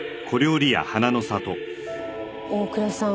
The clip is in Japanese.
大倉さん